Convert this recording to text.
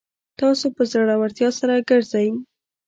تاسو په زړورتیا سره ګرځئ